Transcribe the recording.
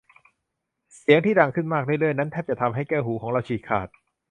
เสียงที่ดังมากขึ้นเรื่อย ๆ นั้นแทบจะทำให้แก้วหูของเราฉีกขาด